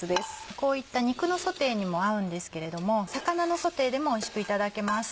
こういった肉のソテーにも合うんですけれども魚のソテーでもおいしくいただけます。